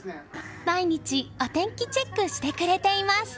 毎日お天気チェックしてくれています。